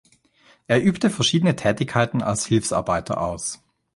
Er übte verschiedene Tätigkeiten als Hilfsarbeiter aus.